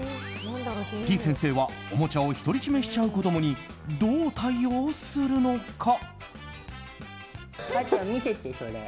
てぃ先生は、おもちゃを独り占めしちゃう子供にどう対応するのか。